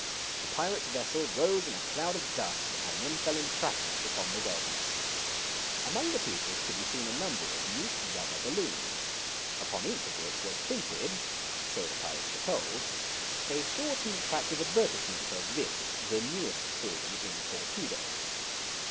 The pirate vessel rose in a cloud of dust and then fell in fragments upon the waves. 244 THE CHILDREN'S WONDER BOOK. Among the pieces could be seen a number of neat rubber balloons, upon each of which was printed, so the pirates were told, a short and attractive advertise ment of this, the newest thing in torpedoes.